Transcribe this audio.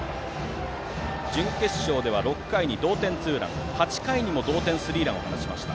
準決勝では６回に同点ツーラン８回にも同点スリーランを放ちました。